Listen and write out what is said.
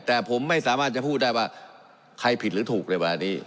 แต่ผมไม่สามารถจะพูดได้ว่าใครผิดหรือถูกในเวลานี้